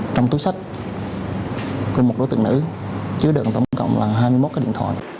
trong túi sách của một đối tượng nữ chứa đựng tổng cộng là hai mươi một cái điện thoại